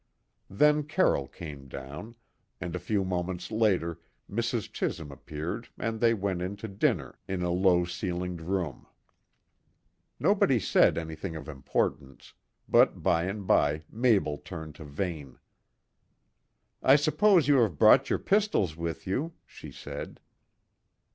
Then Carroll came down, and a few moments later Mrs. Chisholm appeared and they went in to dinner in a low ceilinged room. Nobody said anything of importance, but by and by Mabel turned to Vane. "I suppose you have brought your pistols with you," she said.